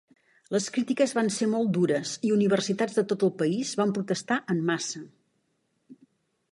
Les crítiques van ser molt dures i universitats de tot el país van protestar en massa.